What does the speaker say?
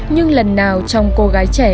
nhưng lần nào trong cô gái trẻ